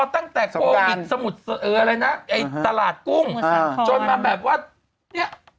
ตั้งแต่โควิดสมุดอะไรนะไอ้ตลาดกุ้งจนมาแบบว่าเนี่ย